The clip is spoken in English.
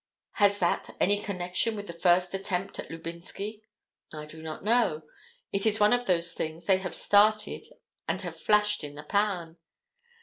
Has that any connection with the first attempt at Lubinsky? I do not know. It is one of those things they have started and have flashed in the pan.